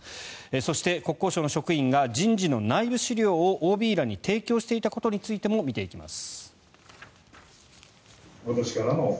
そして、国交省の職員が人事の内部資料をＯＢらに提供していたことについても見ていきます。